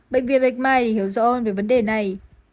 bệnh viện bạch mai để hiểu rõ hơn về vấn đề này